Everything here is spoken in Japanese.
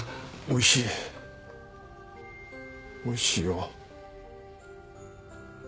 おいしいよ。